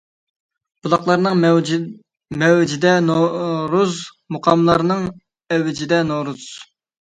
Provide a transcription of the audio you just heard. بۇلاقلارنىڭ مەۋجىدە نورۇز، مۇقاملارنىڭ ئەۋجىدە نورۇز.